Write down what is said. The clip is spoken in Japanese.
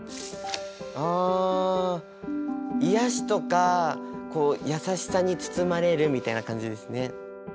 あいやしとかこう優しさに包まれるみたいな感じですね。